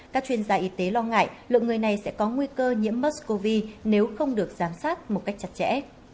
các chuyên gia y tế lo ngại lượng người này sẽ có nguy cơ nhiễm muscov nếu không được giám sát một cách chặt chẽ